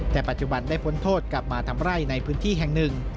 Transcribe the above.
แต่ปัจจุบันได้พ้นโทษกลับมาทำไร่ในพื้นที่แห่งหนึ่ง